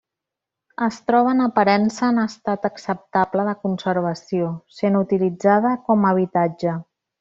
Es troba en aparença en estat acceptable de conservació, sent utilitzada com habitatge.